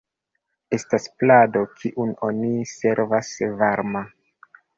Estas plado kiun oni servas varma.